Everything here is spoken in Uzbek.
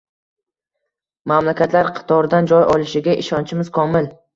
Mamlakatlar qatoridan joy olishiga ishonchimiz komil